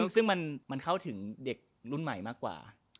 ซึ่งมันเข้าถึงเด็กรุ่นใหม่มากกว่า